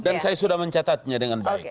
dan saya sudah mencatatnya dengan baik